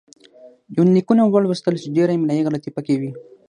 يونليکونه ولوستل چې ډېره املايي غلطي پکې وې